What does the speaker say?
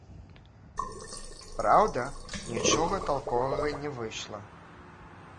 Праўда, нічога талковага не выйшла.